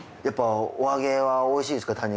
やっぱお揚げはおいしいですか？